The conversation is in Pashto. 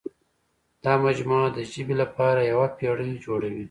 دا مجموعه د ژبې لپاره یوه پېړۍ جوړوي.